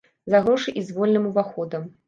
За грошы і з вольным уваходам.